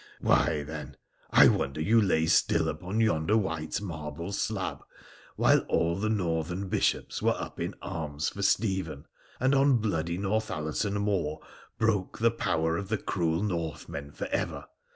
' Why, then, I wonder you lay still upon yonder white marble slab while all the northern Bishops were up in arms for Stephen, and on bloody Northallerton Moor broke the power of the cruel Northmen for ever.